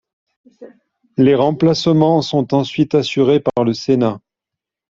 Les remplacements sont ensuite assurés par le Sénat.